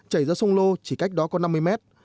chảy ra sông lô chỉ cách đó có năm mươi mét